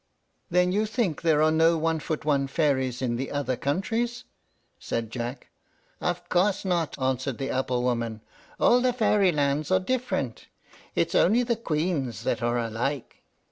"Then you think there are no one foot one fairies in the other countries," said Jack. "Of course not," answered the apple woman; "all the fairy lands are different. It's only the queens that are alike."